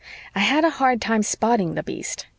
I had a hard time spotting the beast.